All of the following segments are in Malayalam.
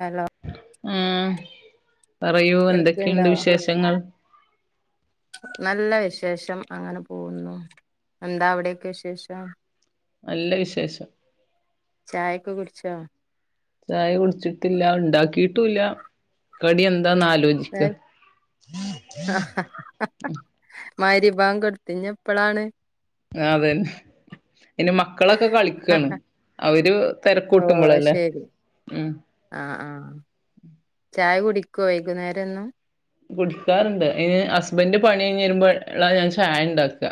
ഹലോ ആഹ് പറയൂ എന്തൊക്കെയുണ്ട് കേൾക്ക്ണ്ടോ വിശേഷങ്ങൾ നല്ല വിശേഷം. അങ്ങനെ പോകുന്നു. എന്താ അവിടെയൊക്കെ വിശേഷം നല്ല വിശേഷം. ചായെക്കെ കുടിച്ചോ ചായ കുടിച്ചിട്ടില്ല. ഇണ്ടാക്കിട്ടുല്ല. കടി എന്താന്ന് ആലോ ചിക്കാ മാഹ്രിബാങ്ക് കൊട്ത്ത് ഇഞ് ഇപ്പളാണ് ആഹ് അതെന്നെ അയ്‌ന് മക്കളെക്കെ കളിക്കാണ്. അവെര് ഓ അത് തെരക്കൂട്ടുമ്പളല്ലേ ശരി ഉം. ആഹ് ആഹ്. ചായ കുടിക്കോ വെയ്കുന്നേരം എന്നും കുടിക്കാറ്ണ്ട്. അയ്ന് ഹസ്ബെൻഡ് പണി കഴിഞ്ഞ് വെരുമ്പൊ ളാ ഞാൻ ചായ ഇണ്ടാക്കാ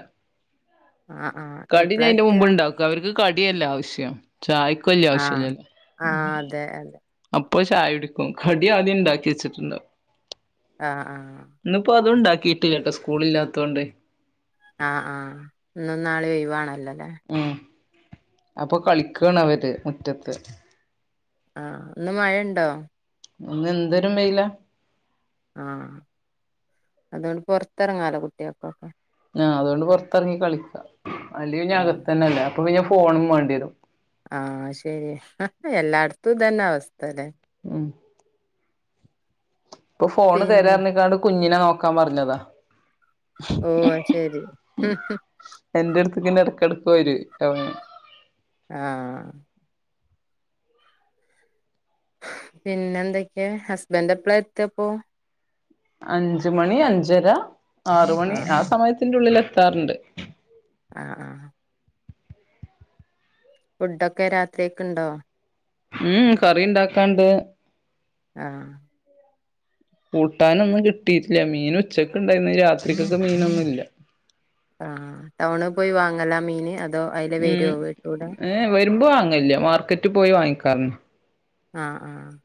ആഹ് ആഹ് എപ്പളാ എത്താ ക്ക് അവര്ക്ക് കടിയല്ലേ ആവശ്യം ചായക്ക് വല്ല്യെ ആഹ് ആവശ്യല്ലല്ലോ. ആഹ് അതെ അതെ അപ്പൊ ചായക്കുടിക്കും. കടിയാദ്യം ഇണ്ടാക്കി വെച്ച്ട്ട്ണ്ടാവും ആഹ് ആഹ്. ഇന്ന്പ്പൊ അതും ഇണ്ടാക്കിയിട്ടില്ലട്ടോ. സ്കൂളില്ലാത്തോണ്ട് ആഹ് ആഹ് ഇന്നും നാളിം ഒയ് വാണെല്ലൊല്ലേ ഉം. അപ്പൊ കളിക്കാണ് അവര് മുറ്റെത്ത് ആഹ് ഇന്ന് മഴണ്ടോ ഇന്ന് എന്തോരം വെയ്ലാ. ആഹ് അത്കൊണ്ട് പൊർത്തെറങ്ങാലോ കുട്ട്യാക്കൊക്കെ. ങ്ങ് ആഹ് അതോണ്ട് പൊർത്തെറങ്ങി കളിക്കാ അല്ലെങ്ങി ഇഞ് ആഹ് അകത്തന്നെ അല്ലേ. അപ്പോ പിന്നെ ഫോണും മാണ്ടിയെരും. ആഹ് ശെരിയാ. എല്ലാട്ത്തും ഇതെന്നെ അവസ്ഥല്ലേ. ഉം ഇപ്പൊ ഫോണ് പിന്നെ തെരാർഞ്ഞ്ക്കാണ്ട് കുഞ്ഞിനെ നോക്കാം പർഞ്ഞതാ. ഓഹ് അയ്ശെരി എന്റെ അട്ത്ത് ഇങ്ങനെ ഇടെക്കെടക്ക് വെരൊയ് [inaudible] ആഹ് പിന്നെ ന്തൊക്കെ? ഹസ്ബെൻഡ് എപ്പെളാ എത്തപ്പോ? അഞ്ച് മണി, അഞ്ചര, ആറ് മണി ആഹ ആ സമയത്തിന്റുള്ളിൽ എത്താറുണ്ട്. ആഹ് ആഹ് ആഹ് ഫുഡോക്കെ രാത്രിയേക്കുണ്ടോ? മ് മ് കറി ണ്ടാക്കാൻണ്ട് ആഹ് കൂട്ടാനൊന്നും കിട്ടീട്ടില്ല. മീന് ഉച്ചെക്ക് ണ്ടേയിര്ന്ന് രാത്രിക്കെക്ക് മീനൊന്നും ഇല്ല. ആഹ് ആഹ് ടൗണിൽ പോയി വാങ്ങലാ മീന്? അതോ അതിലേ വെരോ വീട്ടിലൂടെ? ഏഹ് വെരുമ്പം വാങ്ങലില്ല. മാർക്കറ്റിൽ പോയി വാങ്ങിക്കാറെന്നെ ആഹ് ആഹ് ആഹ്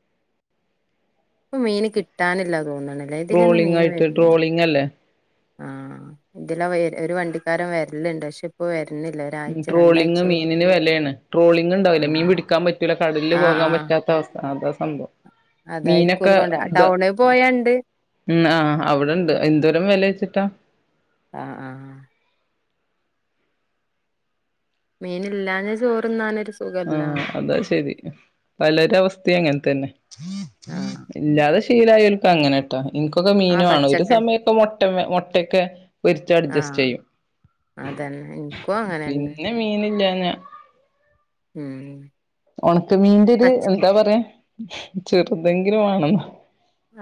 ഇപ്പൊ മീന് കിട്ടാനില്ല തോന്ന്ണ് ട്രോളിംങ്‌ ആയിട്ട് ട്രോളിങ് അല്ലേ ആഹ ഇതിലെ ഒരു വണ്ടിക്കാരൻ വരല്ണ്ട് പക്ഷെ ഇപ്പം വര്ന്ന്ല്ല ട്രോളിങ്‌ മീനിന് വിലയാണ് ട്രോളിങ്‌ ഉണ്ടാവൂലെ മീൻ ആഹ പിടിക്കാൻ പറ്റൂല കടലിൽ ആഹ് പോകാൻ പറ്റ ആഹ് പറ്റാത്ത അവസ്ഥ അതാ സംഭവം അതായിരിക്കും ഓല് മീനൊക്കെ കൊണ്ട ഇത് ടൗണിൽ പോയണ്ട് ഉം ആഹ് അവിടെണ്ട് എന്തോരം വിലച്ചിട്ടാ ആഹ ആ ആ മീനില്ലാഞ്ഞാ ചോറ് തിന്നാനൊരു സു ആഹ അതാ ശരി പലരവസ്ഥയും അങ്ങനെ തന്നെ ആഹ് ഇല്ലാതെ ശീലായോൽക്ക് അങ്ങനെ ട്ടൊ ഇൻക്കൊക്കെ മീന് ആഹ് വേണം ഒരു പച്ചക്കറി സമയൊക്കെ മുട്ട മുട്ടയൊക്കെ പൊരിച്ച് അഡ്ജസ്റ്റ് ആഹ് ചെയ്യും അതന്നെ എനിക്കും അങ്ങനെന്നെ മീനില്ലാഞ്ഞാ ഉം ഉണക്ക മീന്റെ ഒരു പച്ച എന്താ പറയാ ചെറുതെങ്കിലും വേണം ന്നാ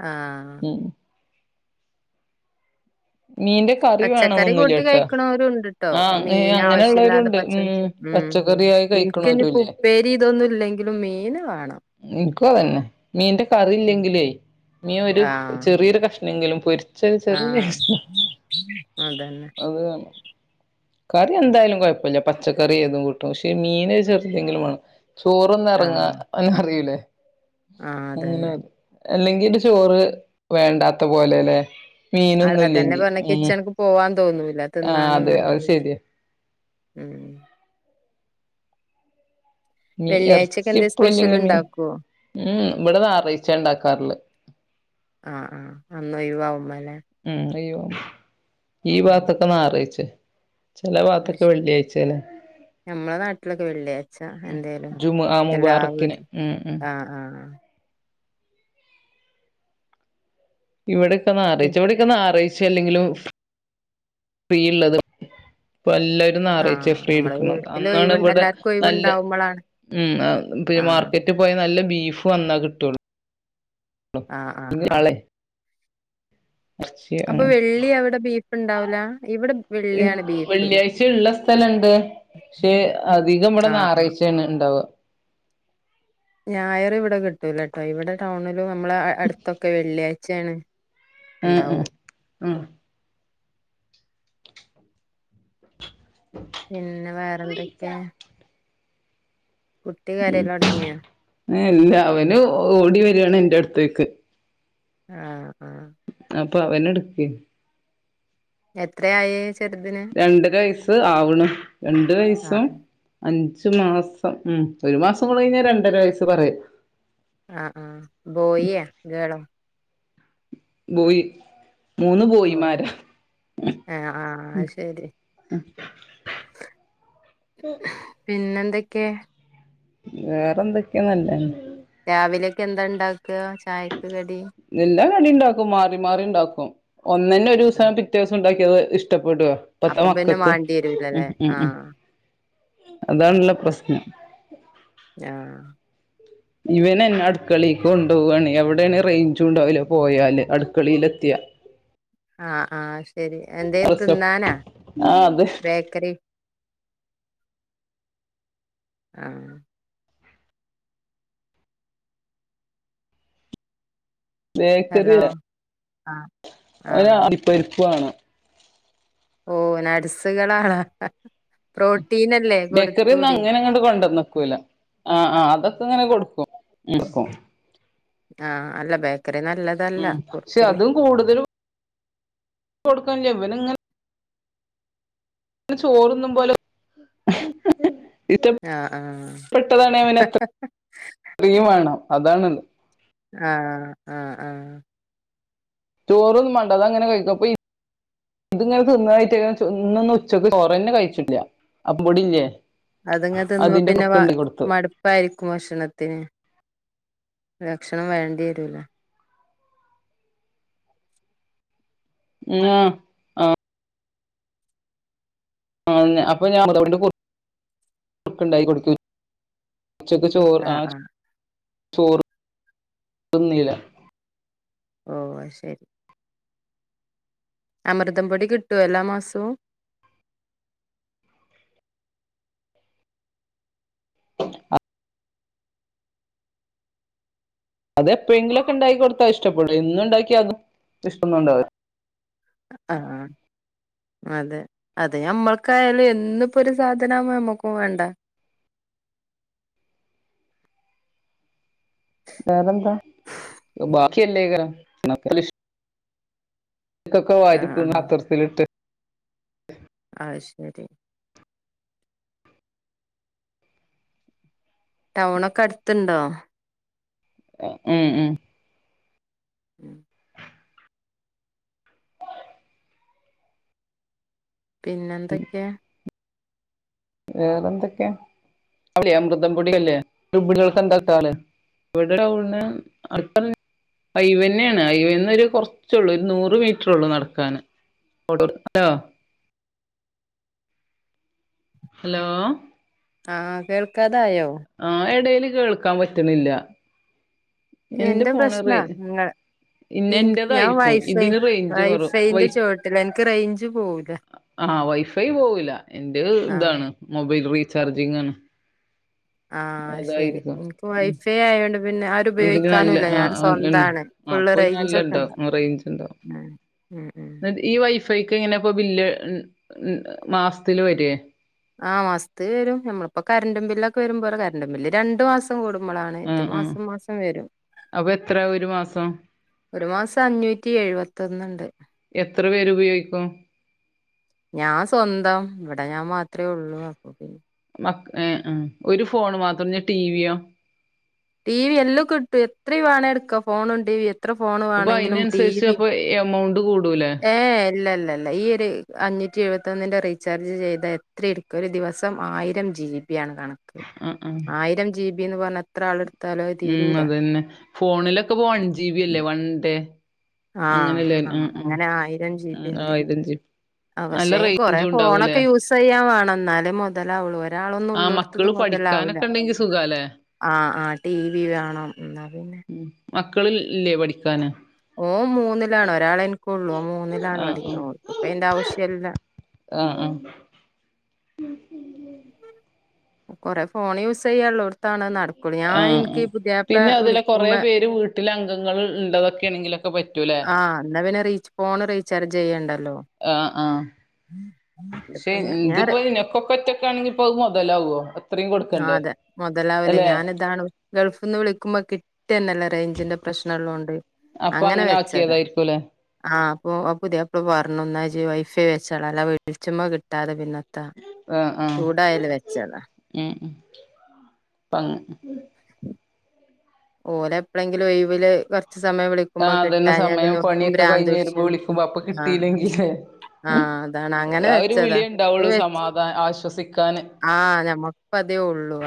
ആഹ് ഉം ഉം മീന്റെ കറി പച്ചക്കറി വേണന്നൊന്നുല്ല കൂട്ടി ട്ടോ കഴിക്ക്ണോരും ണ്ട്ട്ടോ ആഹ് മീൻ ആവശ്യല്ലാതെ അങ്ങനെയുള്ളവരുണ്ട് പച്ച ഉം ഉം പച്ചക്കറിയായി ഇൻക്ക് ഇനി കഴിക്കണോരുല്ലേ ഉപ്പേരി ഇതൊന്നും ല്ലെങ്കിലും മീന് വേണം ഇൻക്കു അതെന്നെ മീന്റെ കറിയില്ലെങ്കിലെ മീൻ ഒരു ആഹ് ചെറിയൊരു കഷ് ല്ലെങ്കിലും പൊരിച്ച ഒരു ചെറിയ ആഹ് കഷ് അതന്നെ അ [unintelligible] കറി എന്തായാലും കുഴപ്പമില്ല പച്ചക്കറി ഏതും കൂട്ടും പക്ഷെ മീന് ചെറുതെങ്കിലും വേണം ചോറന്ന് ഇറങ്ങാ ആഹ് എന്നറിയൂലെ ആഹ് അങ്ങനെ അതന്നെ അല്ലെങ്കില് ചോറ് വേണ്ടാത്ത പോലെ ലെ മീനൊന്നും അതെന്നെ ഇല്ലെങ്കി പറഞ്ഞ ഉം കിച്ചണക്ക് പോവാൻ തോന്നുല ആഹ് അതെ തിന്നാനൊന്നും അത് ഇല്ലെങ്കില് ശരിയാ ഉം മീ വെള്ളിയാഴ്ചക്കെ ഇറച്ചി എന്തേ എപ്പളും സ്പെഷ്യൽ ഇല്ലെങ്കിലും മീൻ ഉണ്ടാക്കുവോ ഉ ഇവിടെ ഞാറാഴ്‌ച്ചാ ഉണ്ടാക്കാറ്ള്ളെ ആഹ് ആഹ് അന്ന് ഒഴിവാവുമ്പം ല്ലേ ഉം ഒഴിവാ ഈ ഉം ഭാഗത്തൊക്കെ ഞായറായിച്ചേ ചില അത് ഭാഗത്തൊക്കെ ശരി വെള്ളിയാഴ്ചേണ് ഞമ്മളെ നാട്ടിലൊക്കെ വെള്ളിയാഴ്‌ച്ചാ എന്തേലും ജുമുഅ എല്ലാ മുബാറക്കിന് വീട്ടി ഉം ഉം ആഹ് ആഹ് ആഹ് ഇവിടൊക്കെ ഞായറാഴ്‌ച്ച ഇവിടൊക്കെ ഞായറാഴ്‌ച്ച അല്ലെങ്കിലും ഫ്രീള്ളത് [unintelligible] ഞായറാഴ്‌ച്ച ആഹ് ഫ്രീ നമ്മളെ എടക്ക്ണത് വീട്ടില് അന്നാണ് ഒഴിവ് ഇവിടെ എല്ലാർക്കും നല്ല ഒഴിവുണ്ടാവുമ്പളാണ് മ് പിന്നെ ആഹ് മാർക്കറ്റ് റ്റ് പോയാ നല്ല ബീഫും അന്നാ കിട്ടുള്ളൂ ആഹ് ആഹ് ആഹ് നാളെ ഇറച്ചി [unintelligible] അപ്പൊ അങ്ങനെ വെള്ളി അവിടെ ബീഫ്ണ്ടാവില ഇവിടെ വെള്ളിയാണ് ബീഫ് വക്കലുണ്ട് പക്ഷെ അധികം ഇവിടെ ആഹ് ആഹ് ഞായർചാണ് ഉണ്ടാവുക ഞായർ ഇവിടെ കിട്ടൂലട്ടോ ഇവിടെ ടൗണിലും നമ്മള അടുത്തൊക്കെ വെള്ളിയാഴ്ചയാണ് ഉഹ ഇണ്ടാവു ഉ ഉ പിന്നെ വേറെന്തൊക്കെ കുട്ടി കരയാൻ തുടങ്ങിയാ എല്ല അവനും ഓടി വരിയാണ് എന്റെ അടുത്തേക്ക് ആഹ അപ്പൊ അവനെ എടുക് എത്രയആയി രണ്ട് അര വയസ് ആവണ് രണ്ടര വയസും ആഹ് അഞ്ചു മാസം മ് ഒരു മാസം കൂടെ കഴിഞ്ഞാ രണ്ടര വയസ്സ് പറയാം ആഹ ആഹ ബോയി ആ ഗേളോ ബോയി മൂന്ന് ഓ ബോയിമാര് ആ ആഹ് ആഹ് അത് ശരി [unintelligible] പിന്നെന്തൊക്കെ? വേറെന്തൊക്കെന്നല്ലേ.. രാവിലെക്കെന്താ ഇണ്ടാക്ക ചായക്ക് കടി. എല്ല കടി ഉണ്ടാക്കും മാറി മാറി ഉണ്ടാക്കും. ഒന്നിന്ന ഒരു ദിവസം. ആഹ് അങ്ങട് പിറ്റേദിവസം ഉണ്ടാക്കിയത് ഇഷ്ടപ്പെടൊ ഇപ്പത്തെ അപ്പം പിന്നെ മക്കക്ക് ഉ വാണ്ടിരൂലല്ലേ ഉം ഉ ആഹ് അതാണല്ലോ പ്രശ്നം ആഹ ഇവനെന്നെ അടുക്കളിക്ക് കൊണ്ടുപോകാണ്. എവിടെയാണ് റേഞ്ച് ഉണ്ടാവൂല പോയാല് അടുക്കളിലെത്തിയ. ആഹ ആഹ ശരി എന്തേ പ്രസവ തിന്നാനാ? ആ അത് ബേക്കറി. ആഹ ഹലോ ആഹ ഓന് അണ്ടിപ്പരിപ്പാണം ഓ നട്സുകളാണ പ്രോട്ടീൻ.. ബേക്കറിന് അങ്ങനെ ഇങ്ങട്ട് കൊണ്ടന്നക്കൂല. ആഹ ആഹ അതൊക്കെങ്ങനെ കൊടുക്കും. ആഹ അല്ല ബേക്കറി നല്ല.. ഉം പക്ഷെ അതും കൂടുതലും [unintelligible] കൊടുക്ക ഇവനിങ്ങനെ.. [unintelligible] ചോറൊന്നും പോലെ. [inaudible] ആഹ ആഹ ഹ ഹ ഹ ഇത്രയും വേണം അതാണ്.. ആഹ ആഹ് ആഹ ചോറൊന്നും മാണ്ട അതങ്ങനെ കഴിക്കും അപ്പൊ.. ഇത്ങ്ങനെ തിന്നായിട്ട ഇന്ന് ഉച്ചക്ക് ചോറന്നെ കഴിച്ചില്ല അപ്പൊടില്ലേ. അത് ഇങ്ങനെ തിനുമ്പോ അതിന്റെ പിന്നെ കുറുക്കുണ്ടാക്കി കൊടുത്തു മടു.. പ്പായിരിക്കും ഭക്ഷണത്തിന്. ഭക്ഷണം വേണ്ടിവരുല. ഉം ആഹാ ആഹ അപ്പൊ ഞാൻതണ്ട് [inaudible] കൊക്കണ്ടായി കൊടുക്ക. ആഹ ഉച്ചക്ക് ചോറ് ആഹ ആഹ് ആഹ് [inaudible] ചോറ് തിന്നില്ല ഓ അഹ് ശരി അമൃതം പൊടി കിട്ടോ എല്ലാ മാസവും ആ അതെപ്പോഴെങ്കിലൊക്കെ ഉണ്ടാക്കി കൊടുത്താൽ ഇഷ്ടപ്പെടും എന്നുണ്ടാക്കിയാ അത് ഇഷ്ടംന്നുണ്ടാവില്ല.. ആഹ അതെ. അത് ഞമ്മൾക്കായാലും എന്നിപ്പോ ഒരു സാധനവുമ്പ നമ്മുക്കും വേണ്ട. ബെറന്താ. ബാക്കി... തൊക്കെ വാരി ആഹ് തിന്നു ആഹ് പാത്തറത്തിലിട്ട്. ആ ശരി ടൗണൊക്കെ അടുത്ണ്ടോ? ഉം ഉം ഉം പിന്നെന്തൊക്കെയാ വേറെന്തൊക്കെയ അ അമൃദം പൊടിയല്ലേ ഗർഭിണികൾക്കെ എന്താക്കാല്. [unintelligible] അയവെന്നെണ്. അഐവന്ന ഒരു കുറച്ചള്ളൂ ഒരു നൂറ് മീറ്ററുള്ളൂ നടക്കാന്. ഫട്ടോ ആ് ഹലോ ആഹ കേൾക്കാതായോ ആഹ് ഇടെൽ കേൾക്കാൻ പറ്റുന്നില്ല എന്റെ പ്രശ്നാ നിങ്ങൾ ഇന്ന ഇൻക് ഞാൻ എന്റേതായിരിക്കും വൈഫൈ ഇതിന് റേഞ്ച് കുറവ് വൈ വൈഫൈന്റെ ച്ചോട്ടിലാ ഇൻക്ക് റേഞ്ച് പോവൂല ആഹ് വൈഫൈ പോവൂല എന്റെത് ആഹ് ഇതാണ് മൊബൈൽ റീചാർജിംഗ് ആണ് ആഹ് ശരി അതായിരിക്കും ഇൻക്ക് ഉം വൈഫൈ ആയൊണ്ട് പിന്നെ ഇതിന് നല്ല ആരുപയോഗിക്കാനുല്ല ആഹ് ഞാന് ആഹ് ഉണ്ട് സ്വന്താണ് ആഹ് ഫുള്ള് അപ്പൊ നല്ല റെയ്ഞ്ച് ഒക്കെ ഉണ്ടാഉം ഉണ്ടാവും റേഞ്ച് ഉണ്ടാവും ഉം ഉം എന്നിട്ട് ഈ വൈഫൈക്ക് ഇങ്ങനെ ഇപ്പോ ബില്ല് മാസത്തില് വരേ ആഹ് മാസത്തിൽ വരും നമ്മളിപ്പോ കറണ്ടും ബില്ല് ക്കെ വരുമ്പോല കറണ്ടും ബില്ല് രണ്ടു മാസ കൂടുമ്പളാണ് ഇത് ആഹ് ആഹ് മാസം മാസം വരും അപ്പൊ എത്ര ഒരു മാസം ഒരു മാസം അഞ്ഞൂറ്റി എഴുപത്തൊന്ന്ണ്ട് എത്ര പേരുപയോഗിക്കും ഞാൻ സ്വന്തം ഇവിടെ ഞാൻ മാത്രേ ഉള്ളൂ അപ്പ പി മക്ക ഒരു ഫോൺ മാത്രം പിന്നെ ടിവി യോ ടി വി എല്ലം കിട്ടും എത്രയും വേണേ എടുക്കാ ഫോണും ടി വി എത്ര ഫോൺ അപ്പൊ വേണങ്കിലും ടി അയിനനുസരിച്ച് വി അപ്പൊ എമൗണ്ട് കൂടൂലേ ഏഹ് ഇല്ല ല്ലാ ഈ ഒരു അഞ്ഞൂറ്റി എഴുപത്തൊന്നിൻ്റെ റീചാർജ് ചെയ്താ എത്രയെ എടുക്കാ ഒരു ദിവസം ആയിരം ജി ബി ആണ് കണക്ക് ആഹ് ആഹ് ആയിരം ജി ബിന്ന് പറഞ്ഞ എത്ര ആള് എടു ഉം അതന്നെ ഫോണിലൊക്ക വൺ ജി ബി അല്ലേ വൺ ഡേ ആഹ് അങ്ങനെയല്ലേ ആഹ് ഉം ഉം. അങ്ങനെ ആയിരം ജീബി ഉം ണ്ട് ആയിരം ജി ബി നല്ല ആഹ്പക്ഷേ കൊറേ റേഞ്ചും ഉണ്ടാവൂലേ? ഫോണൊക്കെ യൂസ് ചെയ്യാൻ വേണം എന്നാലേ മുതലാവുള്ളൂ ഒരാളൊന്നും ആഹ് ഉള്ളൊടുത്ത് ത് മക്കള് മൊതലാഊല പഠിക്കാനൊക്കെ ഉണ്ടെങ്കി സുഖാല്ലേ? ആഹ് ആഹ് ടി വി വേണം എന്നാ പിന്നെ ഉം മക്കള് ല്ലേ പഠിക്കാന് ഓൻ മൂന്നിലാണ് ഒരാളെ ഇൻക്ള്ളൂ ഓൻ മൂന്നിലാണ് ആഹ് പഠിക്കണ ആഹ് ഓൻക് ഇപ്പ ഈന്റെ ആവശ്യല്ലാ ആഹ് ആഹ് കുറേ ഫോൺ യൂസ് ചെയ്യാനുള്ളോടത്താണ് നട ആഹ് ആഹ് പിന്നെ അതിലെ കൊറെ പേര് വീട്ടില അംഗങ്ങൾ ണ്ടതൊക്കെണങ്കിലോ? ആഹ് എന്നാ പിന്നെ റീച്ച് ഫോണ് റീച്ചാർജ് ചെയ്യണ്ടല്ലോ ആഹ് ആഹ് പക്ഷെ ഇതിപ്പ ഞാൻ ഞാൻ ഇതുപോലെ നിനക്ക്ക്കൊകെ ഒറ്റക്ക് ഒറ്റക്കാണങ്കി പ്പൊ അത് മൊതലാവോ അത്രയും ആഹ് കൊടുക്കണ്ടേ? അതെ മൊതലാവൂല. അല്ലെ ഞാന് ഇതാണ് ഗൾഫിൽന്ന് വിളിക്കുമ്പോ കിട്ടന്നേല്ല റേഞ്ചിന്റെ പ്രശ്നള്ളോണ്ട് അപ്പൊ അങ്ങനെ വെച്ചതാ ആക്കിയതായിരിക്കുംല്ലേ? ആഹ് അപ്പൊ പുതിയാപ്ല പറഞ്ഞു ന്നാ ജ്ജ് വൈഫൈ വെച്ചാള അല്ലാ വിളിച്ച്മ്മോ കിട്ടാതെ പിന്നെ എത്താ ആഹ് ആഹ് ചൂടായല് വെച്ചതാ ഉം ഉം പങ് ഓല് എപ്പളെങ്കിലും ഒഴിവില് ക്കൊറച്ച് സമയം വിളിക്ക് ആ ക്കുമ്പോ അതന്നെ കിട്ടാഞ്ഞാ പിന്ന സമയം ഓൽക്കും പണിയൊക്കെ കഴിഞ്ഞ് വരുമ്പോ പ്രാന്ത്ടിച്ചും വിളിക്കുമ്പോ അപ്പൊ ആഹ് കിട്ടിയില്ലെങ്കിലേ ആഹ് അതാണ് അങ്ങനെ ആ ഒരു വെച്ചതാ വിളിയേ അത് ഉണ്ടാവുള്ളൂ വെച്ച് സമാധാന ആശ്വസിക്കാന് ആഹ് ഞമ്മക്ക് അതേ ഉള്ളൂ.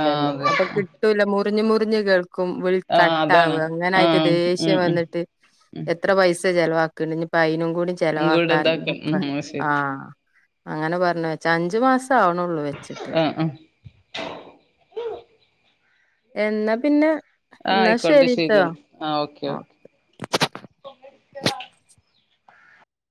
ആ അതെ അപ്പൊ കിട്ടൂല മുറിഞ്ഞ് മുറിഞ്ഞ് കേൾ ക്കും വിൾ ആ കട്ടാവ അതാണ് ആ അങ്ങനായിട്ട് ദേഷ്യം ഉം ഉം വന്നിട്ട് എത്ര പൈസ ചെലവാക്ണ്ട് ഇനിപ്പൊ അയിനും കൂടി ഇങ്കൂടെ ചെലവാക്കാ ഇതാക്ക ഉം ശരി ആഹ് അങ്ങനെ പറഞ്ഞ് വെച്ച. അഞ്ചു മാസം ആവണള്ളൂ വെച്ച് ഉം ഉം എന്നാ പിന്നെ ആ എന്നാ ആയിക്കോട്ടെ ശരിട്ടോ ശരിയെന്നാ ആ ഓക്കെ ഓക്കെ